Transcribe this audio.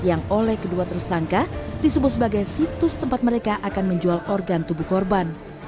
yang oleh kedua tersangka disebut sebagai situs tempat mereka akan menjual organ tubuh korban